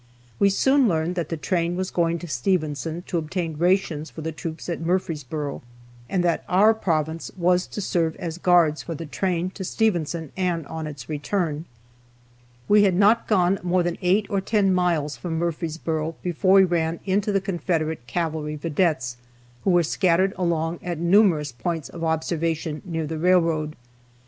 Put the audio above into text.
We soon learned that the train was going to Stevenson to obtain rations for the troops at Murfreesboro, and that our province was to serve as guards for the train, to Stevenson and on its return. We had not gone more than eight or ten miles from Murfreesboro before we ran into the Confederate cavalry vedettes who were scattered along at numerous points of observation near the railroad.